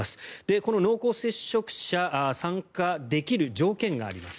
この濃厚接触者参加できる条件があります。